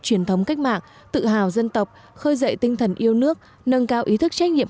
truyền thống cách mạng tự hào dân tộc khơi dậy tinh thần yêu nước nâng cao ý thức trách nhiệm